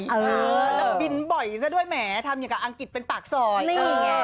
แล้วบินบ่อยซะด้วยแหมทำอย่างกับอังกฤษเป็นปากซอย